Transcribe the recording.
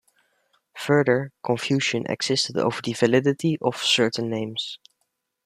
Further confusion existed over the validity of certain names.